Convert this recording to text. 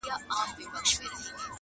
بازاري ویل قصاب دی زموږ په ښار کي،